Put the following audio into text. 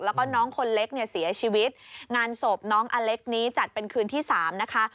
แล้วก็น้องคนเล็กเนี่ยเสียชีวิตงานศพน้องอเล็กนี้จัดเป็นคืนที่สามนะคะ